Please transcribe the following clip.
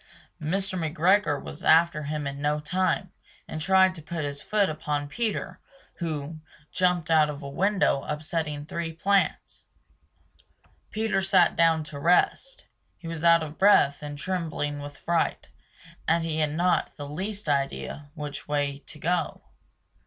Mr. McGregor was after him in no time, and tried to put his foot upon Peter, who Jumped out of a window, upsetting three plants. Peter sat down to rest; he was out of breath and trembling with fright, and he had not the least idea which way to go.